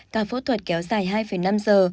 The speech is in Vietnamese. các phẫu thuật kéo dài hai năm giờ